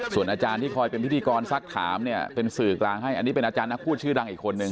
ส่วนอาจารย์ที่คอยเป็นพิธีกรสักถามเนี่ยเป็นสื่อกลางให้อันนี้เป็นอาจารย์นักพูดชื่อดังอีกคนนึง